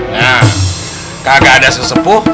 nah kagak ada sesepuh